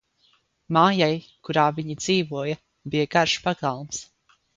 Mājai, kurā viņi dzīvoja, bija garš pagalms.